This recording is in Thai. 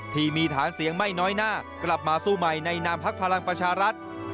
ที่มีฐานเสียงไม่น้อยหน้ากลับมาสู้ใหม่ในนามพักพลังประชารัฐ